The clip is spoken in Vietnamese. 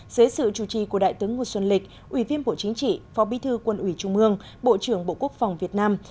dưới sự chủ trì của đại tướng nguồn xuân lịch ủy viên bộ chính trị phó bí thư quân ủy trung mương bộ trưởng bộ quốc phòng việt nam